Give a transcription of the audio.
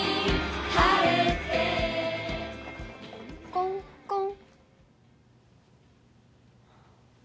コンコン。